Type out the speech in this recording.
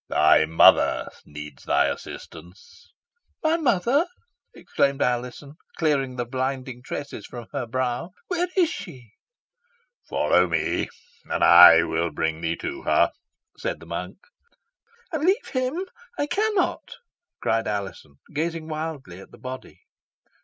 Thy mother needs thy assistance." "My mother!" exclaimed Alizon, clearing the blinding tresses from her brow. "Where is she?" "Follow me, and I will bring thee to her," said the monk. "And leave him? I cannot!" cried Alizon, gazing wildly at the body.